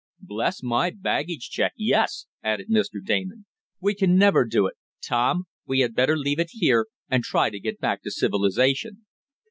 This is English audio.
"Bless my baggage check, yes!" added Mr. Damon. "We can never do it. Tom. We had better leave it here, and try to get back to civilization."